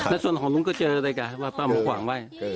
แล้วส่วนของนุ้งก็เจอเลยกะว่าปั้มหว่างไหว้